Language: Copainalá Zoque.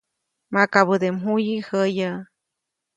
Makabäde mjuyi jäyäʼ.